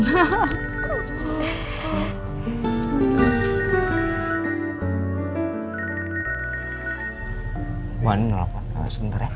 buangin dulu apa sebentar ya